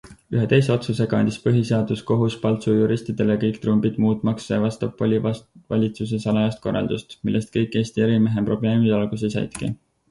Ühe teise otsusega andis põhiseaduskohus Paltsu juristidele kõik trumbid muutmaks Sevastopoli valitsuse salajast korraldust, millest kõik Eesti ärimehe probleemid alguse saidki.